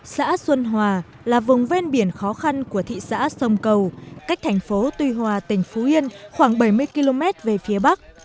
xã xuân hòa là vùng ven biển khó khăn của thị xã sông cầu cách thành phố tuy hòa tỉnh phú yên khoảng bảy mươi km về phía bắc